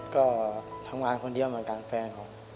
ก็ทำงานคนเดียวเหมือนกันแฟนผม